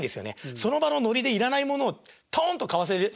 その場のノリで要らないものをとんと買わせてしまって。